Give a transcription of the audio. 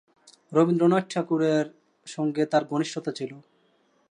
রবীন্দ্রনাথ ঠাকুরের সঙ্গে তার ঘনিষ্ঠতা ছিল।